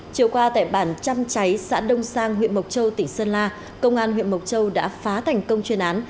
chiều qua tại bản trăm cháy xã đông sang huyện mộc châu tỉnh sơn la công an huyện mộc châu đã phá thành công chuyên án